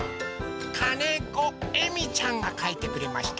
かねこえみちゃんがかいてくれました。